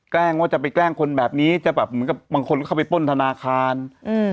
แกล้งว่าจะไปแกล้งคนแบบนี้จะแบบเหมือนกับบางคนก็เข้าไปป้นธนาคารอืม